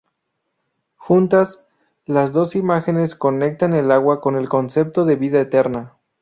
Juntas, las dos imágenes conectan el agua con el concepto de vida eterna.